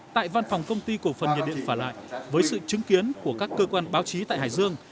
tại văn phòng công ty cổ phần nhiệt điện phả lại với sự chứng kiến của các cơ quan báo chí tại hải dương